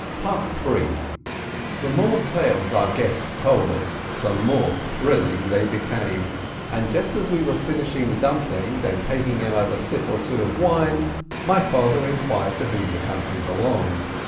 Ill The more tales our guest told us, the more thrilling they became, and just as we were finishing the dump lings and taking another sip or two of wine, my father inquired to whom the country belonged.